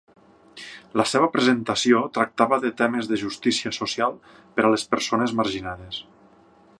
La seva presentació tractava de temes de justícia social per a les persones marginades.